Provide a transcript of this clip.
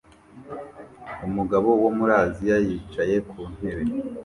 Umugabo wo muri Aziya yicaye ku ntebe